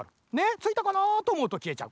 ついたかなとおもうときえちゃう。